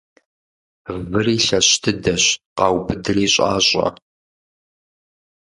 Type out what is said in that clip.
Выри лъэщ дыдэщ къаубыдри щIащIэ.